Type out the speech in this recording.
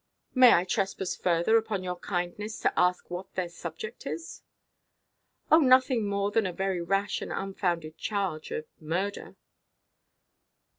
"May I trespass further upon your kindness, to ask what their subject is?" "Oh, nothing more than a very rash and unfounded charge of murder."